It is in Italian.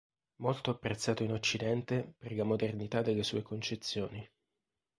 Molto apprezzato in Occidente per la modernità delle sue concezioni.